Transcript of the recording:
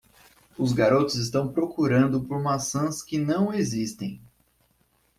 Os garotos estão procurando por maçãs que não existem.